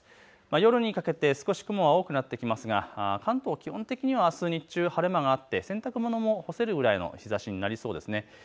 夜にかけて少し雲が多くなってきますが、関東は基本的にあす日中晴れ間があって洗濯物も干せるくらいの日ざしになりそうです。